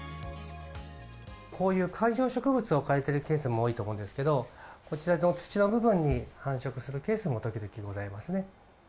こういう観葉植物を置かれているケースも多いと思うんですけど、こちらの土の部分に繁殖するケースも時々ございますね。